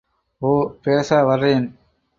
ஓ, பேஷா வர்றேன்.